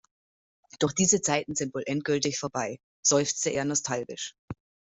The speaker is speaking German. Doch diese Zeiten sind wohl endgültig vorbei, seufzte er nostalgisch.